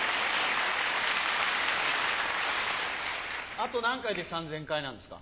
あと何回で３０００回なんですか？